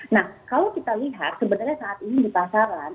nah kalau kita lihat sebenarnya saat ini di pasaran